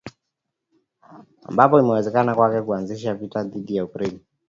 ambapo imewezekana kwake kuanzisha vita nchini Ukraine